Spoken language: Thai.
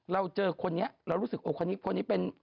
เราเจอคนนี้เรารู้สึกโอ้คนนี้คนนี้เป็น